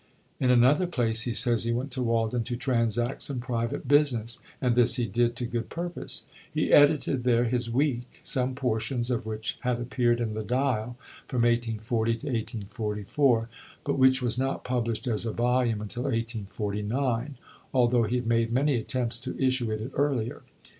In another place he says he went to Walden to "transact some private business," and this he did to good purpose. He edited there his "Week," some portions of which had appeared in the "Dial" from 1840 to 1844, but which was not published as a volume until 1849, although he had made many attempts to issue it earlier.